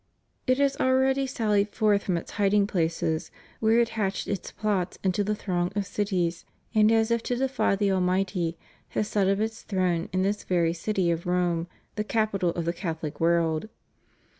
It has already sallied forth from its hiding places, where it hatched its plots, into the throng of cities, and as if to defy the Almighty, has set up its throne in this very city of Rome, the capital of the Catholic world.